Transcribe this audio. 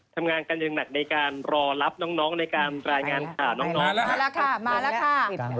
ทำงานกันอย่างหนักในการรอรับน้องในการรายงานข่าวน้องแล้วค่ะมาแล้วค่ะ